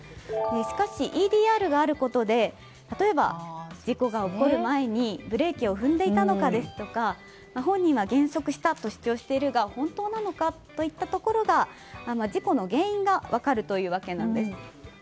しかし、ＥＤＲがあることで例えば、事故が起こる前にブレーキを踏んでいたのかですとか本人は減速したと主張しているが本当なのかといったところの事故の原因が分かるというわけなんです。